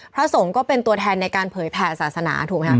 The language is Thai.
พระสงฆ์ก็เป็นตัวแทนในการเผยแผ่ศาสนาถูกไหมคะ